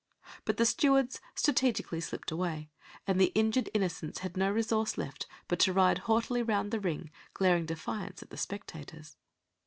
But the stewards strategically slipped away, and the injured innocents had no resource left but to ride haughtily round the ring, glaring defiance at the spectators.